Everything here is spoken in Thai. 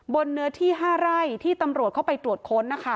เนื้อที่๕ไร่ที่ตำรวจเข้าไปตรวจค้นนะคะ